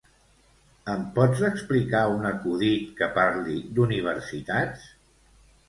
Em pots explicar un acudit que parli d'universitats?